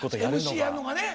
ＭＣやるのがね。